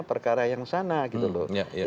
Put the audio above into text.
perkara yang sana gitu loh